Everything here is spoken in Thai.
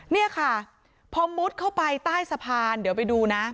นี่ค่ะพอมุดเข้าไปใต้สะพานเดี๋ยวไปดูนะ